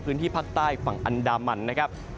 พื้นที่ภาคใต้ฝั่งอันดามันนะครับ